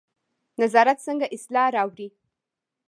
نظارت څنګه اصلاح راوړي؟